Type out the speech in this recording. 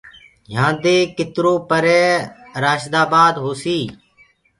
يهآندي ڪترو پري رآشدآبآد هوسي